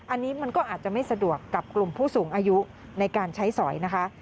อันนี้มันก็อาจจะไม่สะดวกกับกลุ่มผู้สูงอายุในการใช้สอยนะคะ